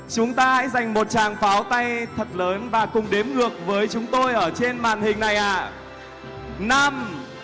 chúng ta hãy dành một tràng pháo tay thật lớn và cùng đếm ngược với chúng tôi ở trên màn hình này ạ